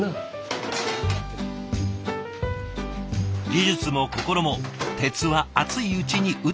技術も心も「鉄は熱いうちに打て」。